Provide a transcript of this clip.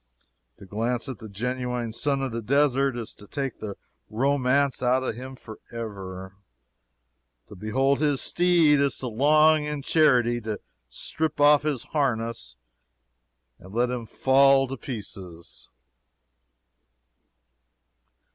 To glance at the genuine son of the desert is to take the romance out of him forever to behold his steed is to long in charity to strip his harness off and let him fall to pieces.